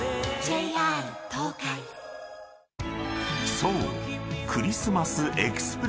［そう］